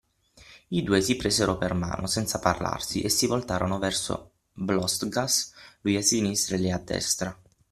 I due si presero per mano, senza parlarsi, e si voltarono verso Blostgas, lui a sinistra e lei a destra.